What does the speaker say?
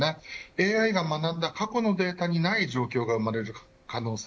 ＡＩが学んだ過去のデータにない状況が生まれる可能性